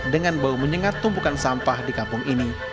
dengan bau menyengat tumpukan sampah di kampung ini